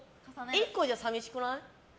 １個じゃ寂しくない？